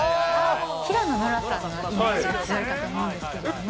平野ノラさんのイメージが強いかと思うんですけれども。